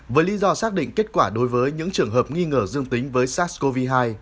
với lý do xác định kết quả đối với những trường hợp nghi ngờ dương tính với sars cov hai